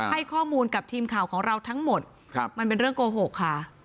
ให้ข้อมูลกับทีมข่าวของเราทั้งหมดมันเป็นเรื่องโกหกค่ะ